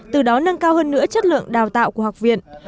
từ đó nâng cao hơn nữa chất lượng đào tạo của học viện